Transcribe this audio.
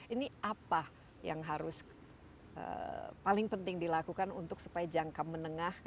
ini apa yang harus paling penting dilakukan untuk supaya jangka menengah